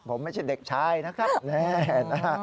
ผมไม่ใช่เด็กชายนะครับแน่นะฮะ